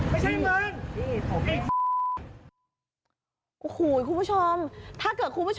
ไม่ได้โทรปบริวารมาเครียงอัคโก